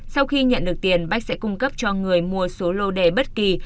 sau khi nhận được tiền bách sẽ cung cấp cho người mua số lô đề bất kỳ